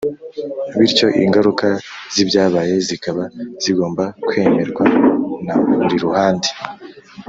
bityo ingaruka z'ibyabaye zikaba zigomba kwemerwa na buri ruhande.